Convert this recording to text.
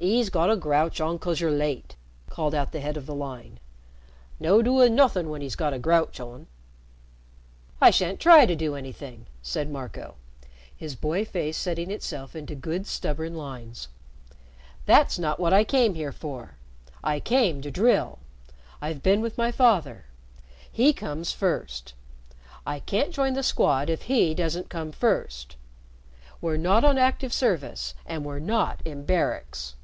"'E's got a grouch on 'cos you're late!" called out the head of the line. "No doin' nothin' when 'e's got a grouch on." "I sha'n't try to do anything," said Marco, his boy face setting itself into good stubborn lines. "That's not what I came here for. I came to drill. I've been with my father. He comes first. I can't join the Squad if he doesn't come first. We're not on active service, and we're not in barracks."